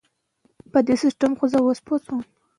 ماشومان اوس زده کړه کوي.